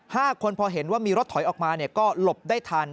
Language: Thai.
ห้าคนพอเห็นว่ามีรถถอยออกมาเนี่ยก็หลบได้ทัน